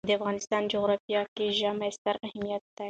د افغانستان جغرافیه کې ژمی ستر اهمیت لري.